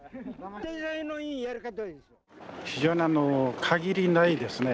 非常にあの限りないですね